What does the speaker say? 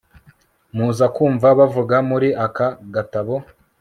muza kumva bavuga muri aka gatabo